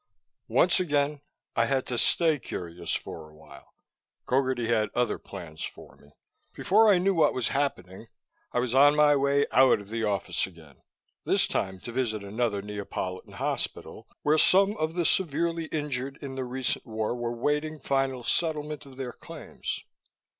Once again, I had to stay curious for a while. Gogarty had other plans for me. Before I knew what was happening, I was on my way out of the office again, this time to visit another Neapolitan hospital, where some of the severely injured in the recent war were waiting final settlement of their claims.